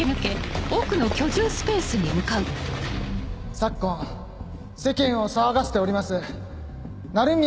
昨今世間を騒がせております鳴宮